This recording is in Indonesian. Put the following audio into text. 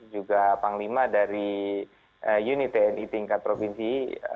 juga panglima dari unit tni tingkat provinsi